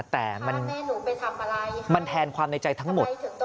แต่มันแทนความในใจทั้งหมด